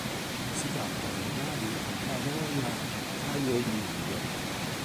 Si tratta delle navi "Andrea Doria" e "Caio Duilio".